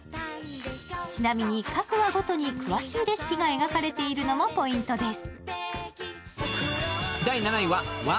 ちなみに各話ごとに詳しいレシピが描かれているのもポイントです。